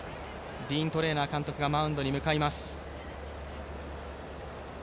ディーン・トレーナー監督がマウンドに向かいます。